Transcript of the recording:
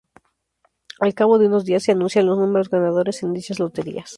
Al cabo de unos días se anuncian los números ganadores en dichas loterías.